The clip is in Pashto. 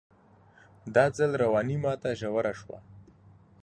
دا ځل رواني ماته ژوره شوه